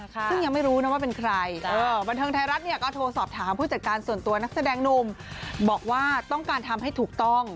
ซึ่งยังไม่รู้นะว่าเป็นใครบันเทิงไทยรัฐเนี่ยก็โทรสอบถามผู้จัดการส่วนตัวนักแสดงหนุ่มบอกว่าต้องการทำให้ถูกต้อง